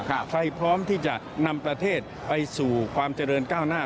ใครพร้อมที่จะนำประเทศไปสู่ความเจริญก้าวหน้า